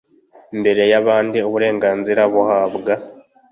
mbere y abandi uburenganzira buhabwa